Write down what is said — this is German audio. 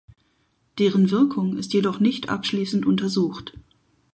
Deren Wirkung ist jedoch nicht abschließend untersucht.